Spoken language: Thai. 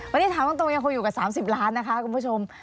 วันนี้ถามตรงยังคงอยู่กับ๓๐ล้านนะคะคุณผู้ชม